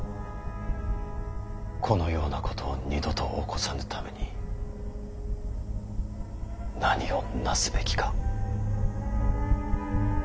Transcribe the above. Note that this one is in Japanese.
このようなことを二度と起こさぬために何をなすべきか。